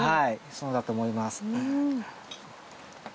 そうだと思います。